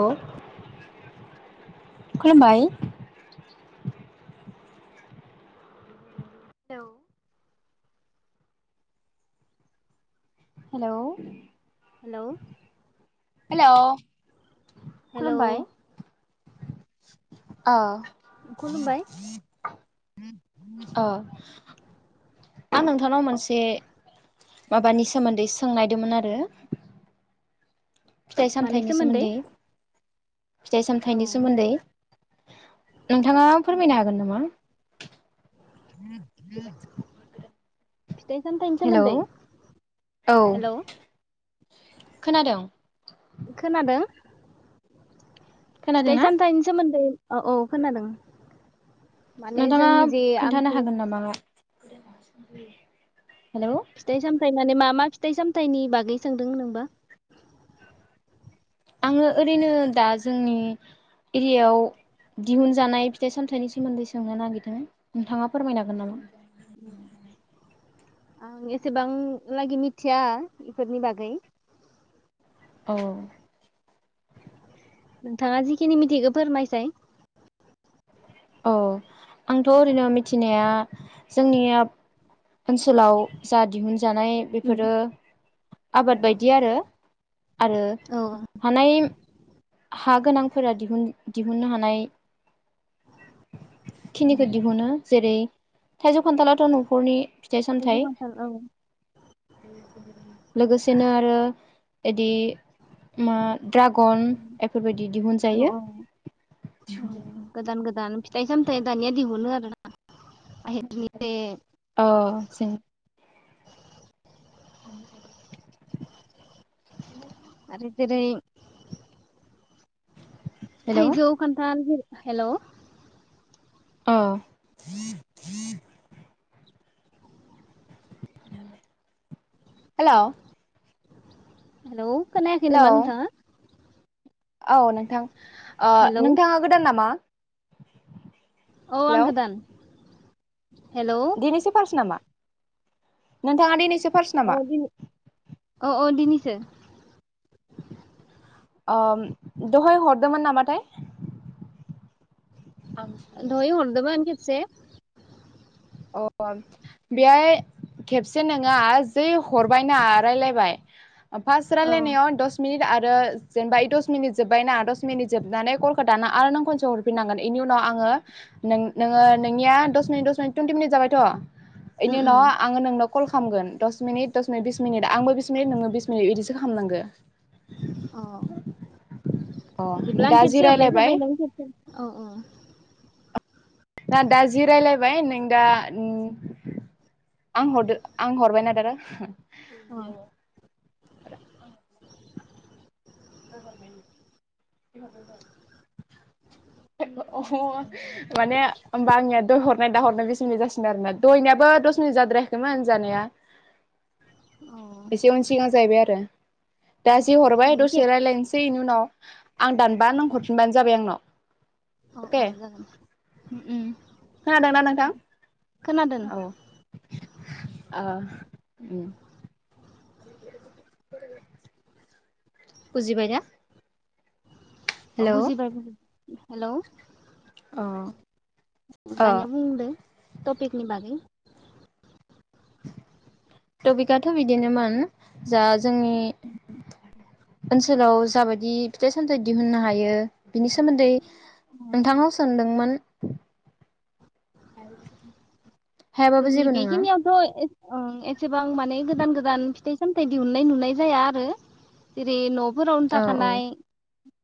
अ खुलुमबाय। औ hello hello hello hello खुलुमबाय। अ। खुलुमबाय। अ आं नोंथांनाव मोनसे माबानि सोमोन्दै सोंनायदोमोन आरो फिथाइ सामथाइनि सोमोन्दै। फिथाइ औ सामथाइनि सोमोन्दै। नोंथाङा फोरमायनो हागोन नामा? फिथाइ सामथाइनि हेलौ सोमोन्दै औ। हेलौ खोनादों? खोनादों फिथाइ खोनादोंना सामथाइनि सोमोन्दै औ औ खोनादों। माने नोंथाङा जोंनि जे खोन्थानो आमथि हागोन नामा? [unintelligible] फिथाइ सामथाय माने मा मा फि फिथाइ सामथाइनि बागै सोंदोंनोंबा? आंङो ओरैनो दा जोंनि एरियायाव दिहुनजानाय फिथाइ सामथाइनि सोमोन्दै सोंनो नागिरदों नोंथांङा फोरमायनो हांगोन नामा? आं एसेबांलागि मिथिया बेफोरनि बागै अ। नोंथांङा जिखिनि मिथिगो फोरमायसाय औ आंथ' ओरैनो मिथिनाया जोंनिया ओनसोलाव जा दिहुन जानाय बेफोरो आबाद औ बायदि आरो आरो औ हानाय हा गोनांफोरा दिहुन दिहुननो हानाय खिनिखौ दिहुनो जेरै थाइजौ खान्थालाथ' न'खरनि फिथाइ थाइजौ सामथाइ। खान्थाल औ लोगोसेनो आरो एदि मा ड्रागन एफोरबायदि औ दिहुनजायो। औ औ गोदान गोदान फिथाइ सामथायाइ दानिया दिहुनो आरोना। अ सिं [inaudible] [unintelligible] आरो जेरै हेल' थाइजौ खान्थाल जेरै हेल' ‌। अ। हेल'। हेलौ। खोनायाखै नामा नोंथाङा? औ नोंथां। हेलौ नोंथाङा गोदान नामा? [inaudible] औ हेलौ आं गोदान। हेलौ औ दिनैसो फारस नामा? नोंथाङा दिनैसो फार्स नामा? अ अ दिनिसो। अ दहाय हरदोंमोन नामाथाय? दहाय हरदोंमोन। से अ बेहाय खेबसे नोङा जै हरबायना रायलायबाय। फार्स्ट औ रालायनायाव दस मिनिट आरो आरो जेनेबा यो दस मिनिट जोबबायना दस मिनिट जोबनानै खलखौ दाना आरो नों खनसे हरफिननांगोन इनि उनाव आंङो नों नोंङो नोंनिया दस मिनिट दस मिनिट टुइनटि मिनिट जाबायथ'। उम इनि उनाव उम आङो नोंनाव कल खालामगोन दस मिनिट दस मिनिट बिस मिनिट आंबो बिस मिनिट नोङो बिस मिनिट इदिसो खालामनांगो। अ अ बिदिब्ला दा जि खेबसे हरनाय रायलायबाय जाबाय नों खेबसे ओ ओ। दा दा जि रायलायबाय नों दा उम आं हरदो आं हरबायना दा दा हो। अ। [unintelligible] दा हरबाय नों [unintelligible] माने होमबा आंनिया दहर नाय दा हरनो बिस मिनिट जासिगोन आरोना दहायनियाबो दस मिनिट जाद्रायाखैमोन जानाया। औ एसे उन सिगां जाहैबाय आरो। दा जे हरबाय खेब दसे रायलायनोसै इनि उनाव आं दानबा नों हरफिनबानो जाबाय आं नाव। औ अके औ जागोन उम उम खोनादोंना नोंथां खोनादों औ आ उम। [inaudible] बुजिबाय ना। अ बुजिबाय बुजि हेलौ। अ दानिया बुंदों टपिकनि बागै। टपिकआथ' बिदिनोमोन जा जोंनि ओनसोलाव जाबायदि फिथाइ सामथाइ दिहुननो हायो बिनि सोमोन्दै नोंथांनाव सोंदोंमोन। [inaudible] हायाबाबो जोंनि जेबो बे नङा खिनिआव थ' एसे ओं एस सेबां माने गोदान गोदान फिथाइ सामथाइ दिहुननाय नुनाय जाया आरो जेरै न' फोरावनो औ औ थाखानाय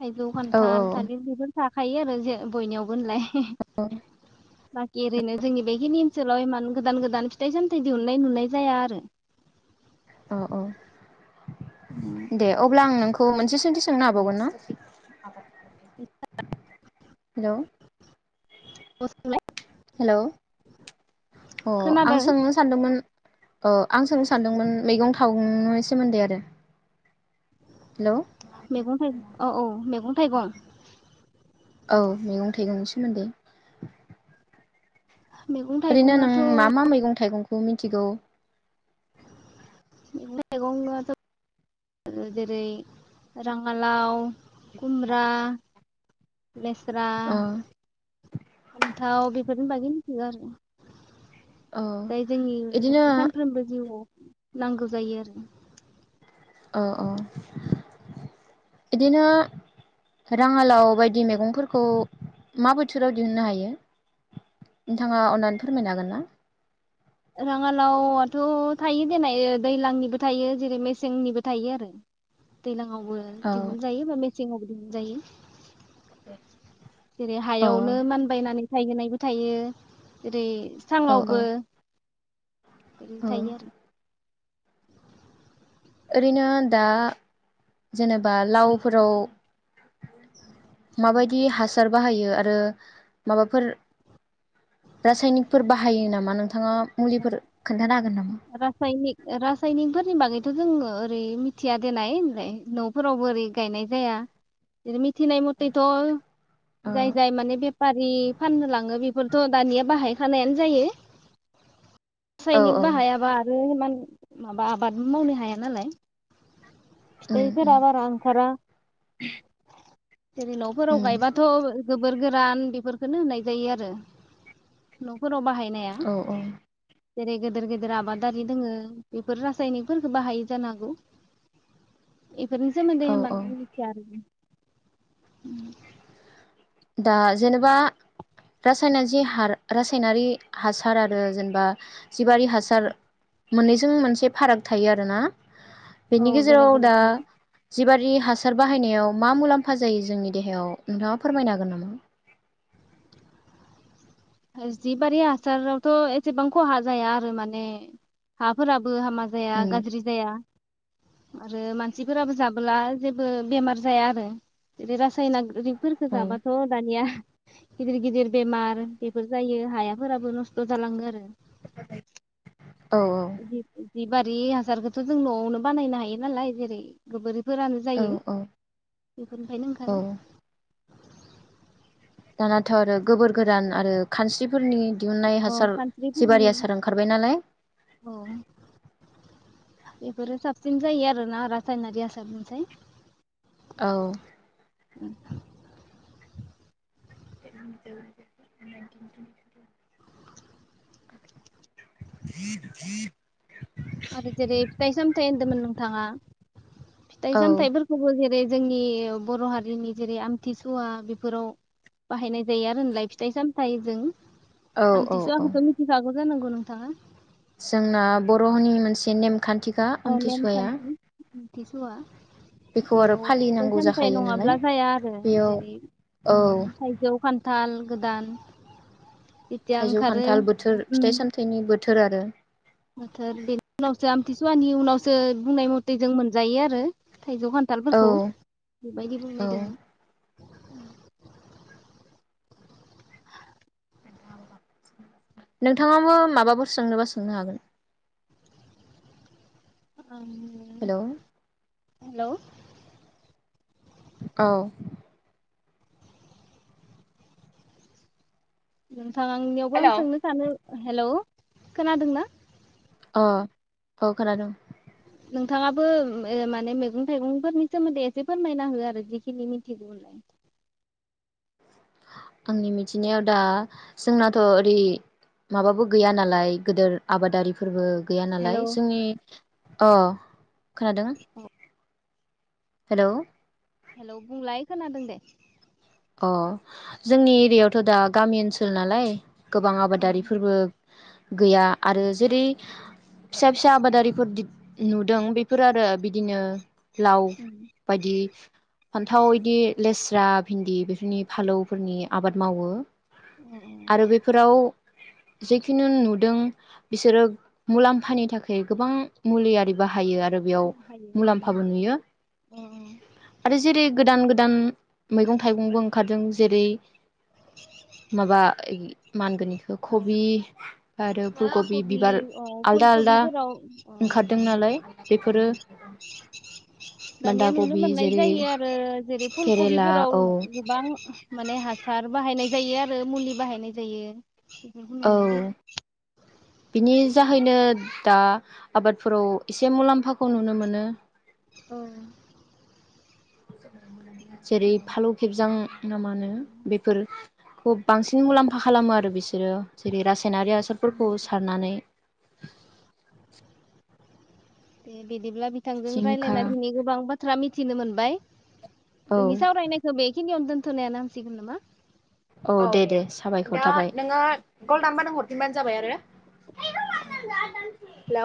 थायजौ औ खान्थाल थालिर बेफोर फा थाखायो आरो जे बयनियावबो होनलाय। बाखि ओरैनो जोंनि बेखिनि सोलाय इमान गोदान गोदान फिथाइ सामथाइ दिहुननाय नुनाय जाया आरो। अ अ। दे अब्ला आं नों अ मोनसे सोंथि सोंनो हाबावगोन ना? [unintelligible] हेलौ। अ सोंलाय हेलौ अ आं खोनादों सोंनो सानदोंमोन। ओ आं सोंनो सानदोंमोन मैगं-थाइनि सोमोन्दै आरो। हेलौ मेगं-थाइगं औ औ मैगं थायगं औ मैगं थाइगंनि सोमोन्दै। मैगं ओरैनो नों थाइगङाथ' मा मा मैगं-थाइगं खौ मिथिगौ? मैगं-थाइगं आथ' आरो जेरै राङालाव खुमब्रा लेस्रा ओ फान्थाव बेफोरनि बागै मिथिगो आरो। ओ जाय इदिनो जोंनि सानफ्रोमबो जिउआव नांगौ जायो औ औ बिदिनो राङालाव बायदि मैगंफोरखौ मा बोथोराव दिहुननो हायो नोंथाङा अननानै फोरमायनो हागोन ना? राङालावाथ' थायो देनाय दैज्लांनिबो थायो जेरै मेसेंनिबो थायो आरो दैलां। आवबो औ दिहुनजायो माने। [unintelligible] दिहुनजायो। ए। जेरै हायावनो मानबायनानै थायहोनायबो थायो ओेरै औ औ साङावबो बे औ थायो आरो। ओरैनो दा जेनेबा लावफोराव माबायदि हासार बाहायो आरो माबाफोर रासायनिकफोर बाहायो नामा नोंथां? रासायनिक रासायनिकफोरनि बागैथ' जोङो ओरै मिथिया देनाय होनलाय न'फोरावबो ओरै गायनाय जाया [unintelligible] थिनाय मथेथ' जाय जाय माने बेफारि फाननो लाङो बेफोर थ' दानिया बाहायखानायानो जायो। ओ औ थ्रायनिक औ बाहायाबा आरो हान माबा आबाद मावनो हाया नालाय उम फिथाइफोर उम बारा ओंखारा। जेरै न'फोराव उम गायबाथ' गोबोर गोरान बेफोरखोनो होनाय जायो आरो न' फोराव बाहायनाया औ जेरै गेदेर गेदेर आबादारि दोङो बेफोर रासायनिकफोरखो बाहायो जानांगौ। फोरनि सोमोन्दै औ होमबा औ मिथिया आरोखि उम दा जेनेबा रासायना जि हार रासायनारि हासार आरो जेनेबा जिबारि हासार मोननैजों मोनसे फाराग थायो आरो ना। बेनि औ बेलेग गेजेराव बेलेग दा थायो जिबारि रि हासार बाहायनायाव मा मुलाम्फा जायो जोंनि देहायाव नोंथाङा फोरमायनो हागोन नामा? जिबारि हासारावथ' एसेबां खहा जाया आरो माने हाफोरा बो हामा जाया उम गाज्रि जाया। आरो मानसिफोराबो जाबोला जेबो बेमार जाया आरो जेरै रास सायनारि फोरखौ औ जाबाथ' दानिया गिदिर गिदिर बेमार बेफोर जायो हायाफोराबो नस्थ' जालाङो आरो। [unintelligible] औ औ। जिबारि हासारखौथ' जों न'आवनो बानायनो हायो नालाय जेरै गोबोर फोरानो औ जायो औ बेफोरनिफ्रायनो औ ओंखारो। दानाथ' आरो गोबोर गोरान आरो खानस्रिफोरनि दिहुननाय अ हासार जिबारि खानस्रिफोरनि हासार ओंखारबाय नालाय। औ बेफोरो साबसिन जायो आरो ना रासायनारि हासार निफ्राय। औ। [unintelligible] [unintelligible] आरो जेरै फिथाइ सामथाइ होनदोंमोन नोंथाङा फिथाइ औ सामथाइ फोरखौबो जेरै जोंनि बर' हारिनि जेरै आमथिसुवा बेफोराव बाहायनाय जायो आरो नालाय फिथाइ सामथाइ जों औ औ औ आमथिसुवाखौथ' मिथिखागौ जानांगौ नोंथाङा। जोंना बर'नि मोनसे नेम खान्थिखा आमथिसुवाया। थिसुवा। बेखौ आरो बेयाव फिथाइ फालिनांगौ सामथाइ जाखायो नालाय नङाब्ला जाया आरो बेयाव जेरै ओ औ थाइजौ खान्थाल गोदान जेथिया थाइजौ ओंखारो खान्थाल बोथोर उम फिथाइ सामथायाइनि बोथोर आरो बोथोर बेनि उनावसो आमथिसुवानि उनावसो बुंनाय मते जों मोनजायो आरो। थाइजौ औ खान्थालफोरखौ बेबायदि औ बुंनाय दोङो। नोंथाङाबो माबाफोर सोंनोबा सोंनो हागोन। हेलौ हेलौ औ हेलौ थांङां नियावबो आं हेलौ सोंनो सानो हेलौ खोनादोंना अ औ खोनादोंं नोंथाङाबो ओम ओ माने मेगं थाइगंफोरनि सोमोन्दै एसे फोरमायना हो आरो जिखिनि मिथिगौ होनलाय आंनि मिथिनायाव दा जोंनाथ' ओरै माबाबो गैया नालाय गोदोर आबादारिफोरबो गैया हेलौ नालाय जोंनि अ खोनादों हेलौ हेलौ बुंलाय खोनादों दे अ जोंनि एरियायावथ' दा गामि ओनसोल नालाय गोबां औ आबादारिफोरबो गैया आरो जेरै फिसा फिसा आबादारिफोर दिब नुदों बेफोर आरो बिदिनो लाव बायदि फान्थाव इदि लेस [inaudible] भिन्दि बेफोरनि फालौफोरनि आबाद मावो। आरो बेफोराव जेखुनु नुदों बिसोरो मुलाम्फानि थाखाय गोबां मुलियारि बाहा यो आरो बेयाव बाहायो मुलाम्फाबो नुयो औ आरो जेरै गोदान गोदान मैगं थाइगंबो ओंखारदों जेरै माबा इ मानगोनयिखो कबि आरो फुल कबि बिबार औ आलदा आलदा फुलकबिफोराव अ ओंखारदों नालाय बेफोरो [inaudible] बान्दा दानिया नुनो कबि मोननाय जेरै जायो आरो जेरै फुलकबिफोराव औ गोबां माने हासार बाहायनाय जायो आरो मुलि बाहायनाय जायो। बेखौ औ नुनाय जायो बिनि जाहैनो दा आबादफोराव एसे मुलाम्फाखौ नुनो मोनो। औ जेरै फालौ खेबजां ना माहोनो बेफोरखौ बांसिन मुलाम्फा। खालामो आरो बिसोरो जेरै रासायनारि हासारफोरखौ सारनानै- [unintelligible] बे बिद बिदिब्ला बिथांजों जिंखा रायज्लायना दिनै गोबां बाथ्रा मिथि मिथिनो मोनबाय। औ जोंनि सावरायनायखौ बेखिनियावनो दोनथ थनाया नांसिगोन नामा? औ दे दे साबायखर औ दे थाबाय नोङो गलदानबा नों हरफिनबानो जाबाय आरो